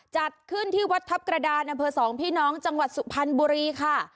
จัดขึ้นที่วัดทัพกระดานอำเภอสองพี่น้องจังหวัดสุพรรณบุรีค่ะ